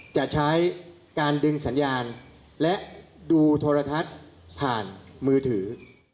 จะใช้การดึงสัญญาณและดูโทรทัศน์ผ่านมือถือ